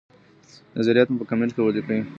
نظریات مو په کمنټ کي ولیکئ.